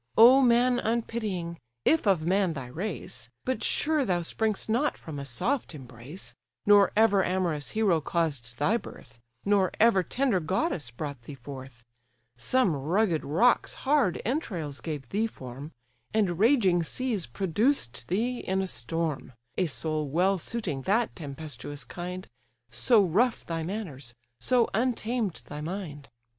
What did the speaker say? "O man unpitying! if of man thy race; But sure thou spring'st not from a soft embrace, Nor ever amorous hero caused thy birth, Nor ever tender goddess brought thee forth: Some rugged rock's hard entrails gave thee form, And raging seas produced thee in a storm, A soul well suiting that tempestuous kind, So rough thy manners, so untamed thy mind.